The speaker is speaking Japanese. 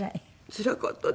つらかったです。